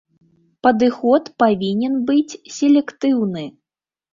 Падыход павінен быць селектыўны.